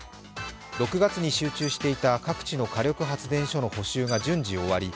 ６月に集中していた各地の火力発電所の補修が順次終わり